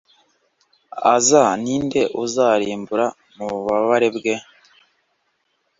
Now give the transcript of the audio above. Aza ninde uzarimbuka mububabare bwe